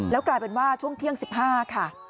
แล้วกลายเป็นว่าช่วงเที่ยง๑๕ค่ะ